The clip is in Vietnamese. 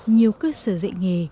nhiều cơ sở dạy nghề